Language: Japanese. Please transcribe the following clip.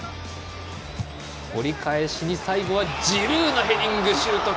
折り返しに最後はジルーのヘディングシュート！